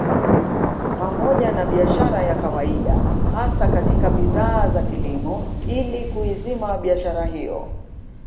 Pamoja na biashara ya kawaida hasa katika bidhaa za kilimo ili kuizima biashara hiyo